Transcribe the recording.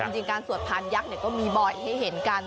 จริงการสวดพานยักษ์ก็มีบ่อยให้เห็นกัน